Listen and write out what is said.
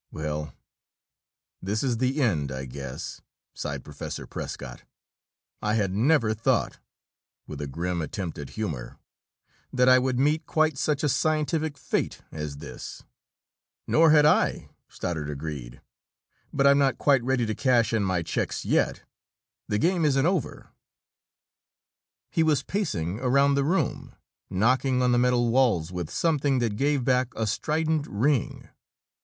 "Well, this is the end, I guess," sighed Professor Prescott. "I had never thought," with a grim attempt at humor, "that I would meet quite such a scientific fate as this!" "Nor had I!" Stoddard agreed. "But I'm not quite ready to cash in my checks yet. The game isn't over!" He was pacing around the room, knocking on the metal walls with something that gave back a strident ring.